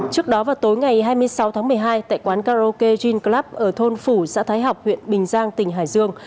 trước đó vào tối ngày hai mươi sáu tháng một mươi hai tại quán karaoke jean club ở thôn phủ xã thái học huyện bình giang tỉnh hải dương